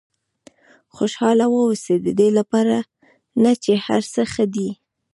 خوشاله واوسئ ددې لپاره نه چې هر څه ښه دي.